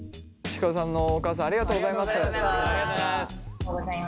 ちくわさんのお母さんありがとうございます。